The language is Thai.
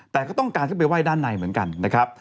แต่ก็ต้องการขึ้นไปไหว้ด้านในเหมือนกันนะครับ